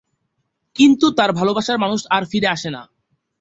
কিন্তু তাঁর ভালোবাসার মানুষ আর ফিরে আসে না।